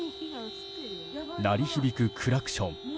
鳴り響くクラクション。